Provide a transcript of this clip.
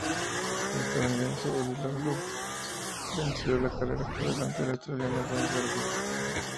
El estadounidense Eddie Lawson venció la carrera por delante del australiano Wayne Gardner.